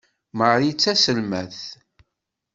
Marie d tazelmaḍt.